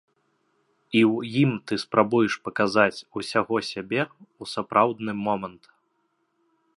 І ў ім ты спрабуеш паказаць усяго сябе ў сапраўдны момант.